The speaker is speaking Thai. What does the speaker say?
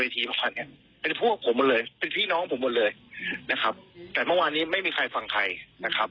แต่เมื่อวานนี้ไม่มีใครฟังใครนะครับ